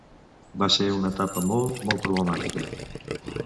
Va ser una etapa molt, molt problemàtica.